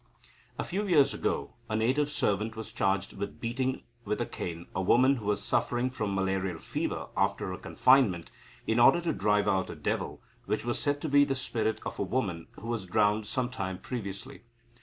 A few years ago, a Native servant was charged with beating with a cane a woman who was suffering from malarial fever after her confinement, in order to drive out a devil, which was said to be the spirit of a woman who was drowned some time previously.